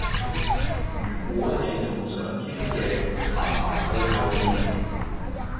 如果你仲想傾嘅，麻煩去後面